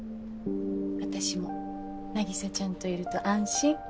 私も凪沙ちゃんといると安心。